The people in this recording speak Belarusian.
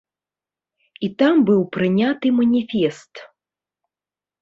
І там быў прыняты маніфест.